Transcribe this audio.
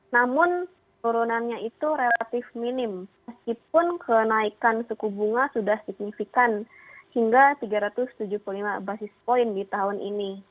namun turunannya itu relatif minim meskipun kenaikan suku bunga sudah signifikan hingga tiga ratus tujuh puluh lima basis point di tahun ini